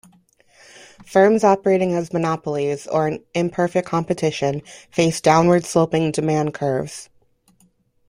Firms operating as monopolies or in imperfect competition face downward-sloping demand curves.